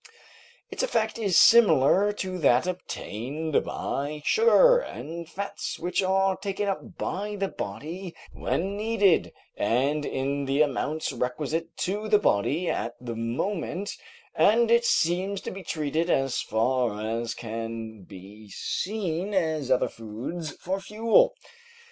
Its effect is similar to that obtained by sugar and fats which are taken up by the body when needed and in the amounts requisite to the body at the moment, and it seems to be treated as far as can be seen as other foods for fuel.